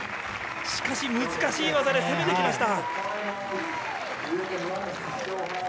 しかし難しい技で攻めてきました。